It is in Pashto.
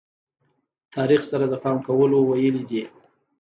تاریخ سره د پام کولو ویلې دي.